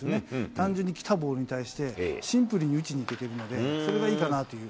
単純に、来たボールに対して、シンプルに打ちにいけているので、それがいいかなという。